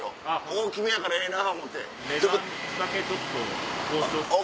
大きめやからええな思って。